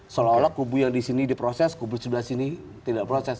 seolah olah kubu yang di sini diproses kubu sebelah sini tidak proses